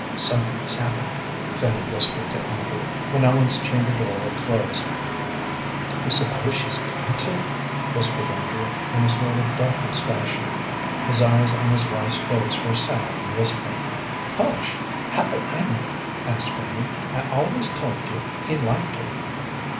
"Something has happened," Fanny whispered to Andrew, when Ellen's chamber door had closed. "Do you suppose she's goin' to?" whispered Andrew, in a sort of breathless fashion. His eyes on his wife's face were sad and wistful. "Hush! How do I know?" asked Fanny. "I always told you he liked her."